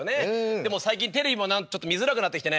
でも最近テレビも見づらくなってきてね。